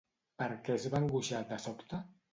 Per què es va angoixar, de sobte?